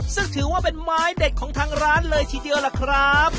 ซึ่งถือว่าเป็นไม้เด็ดของทางร้านเลยทีเดียวล่ะครับ